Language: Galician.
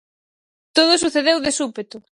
Todo sucedeu de súpeto!